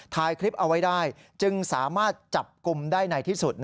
ถ่ายคลิปเอาไว้ได้จึงสามารถจับกลุ่มได้ในที่สุด